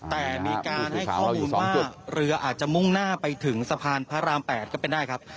แต่มีการให้ข้อมูลว่าเรืออาจจะมุ่งหน้าไปถึงสะพานพระราม๘ก็เป็นได้ครับ